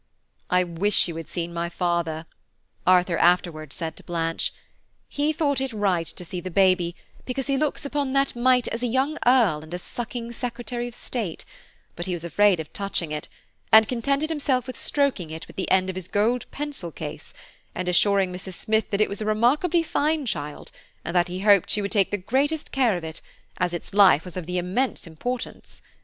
"I wish you had seen my father," Arthur afterwards said to Blanche; "he thought it right to see the baby, because he looks upon that mite as a young earl and a sucking Secretary of State, but he was afraid of touching it, and contented himself with stroking it with the end of his gold pencil case and assuring Mrs. Smith that it was a remarkably fine child, and that he hoped she would take the greatest care of it, as its life was of immense importance.